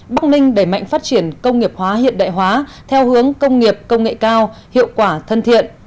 bắc ninh đẩy mạnh phát triển công nghiệp hóa hiện đại hóa theo hướng công nghiệp công nghệ cao hiệu quả thân thiện